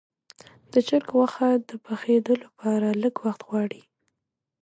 د چرګ غوښه د پخېدو لپاره لږ وخت غواړي.